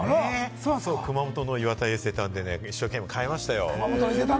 熊本の伊勢丹で一生懸命、買いましたよ。